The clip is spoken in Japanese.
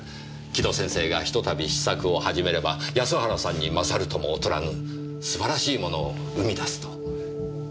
城戸先生がひとたび詩作を始めれば安原さんに勝るとも劣らぬ素晴らしいものを生み出すと。